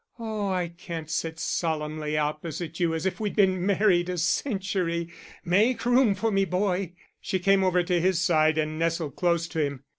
"Oh, I can't sit solemnly opposite you as if we'd been married a century. Make room for me, boy." She came over to his side and nestled close to him.